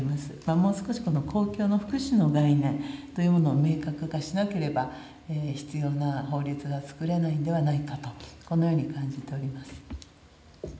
もう少し公共の福祉の概念を明確化しなければ、必要な法律が作れないんではないかと、このように感じております。